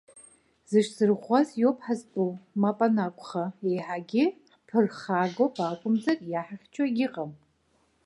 Зыҽзырӷәӷәаз иоуп ҳазтәу, мап анакәха, еиҳагьы ҳԥырхагоуп акәымзар, иаҳхьчо егьыҟам.